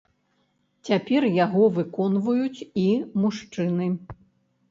Цяпер яго выконваюць і мужчыны.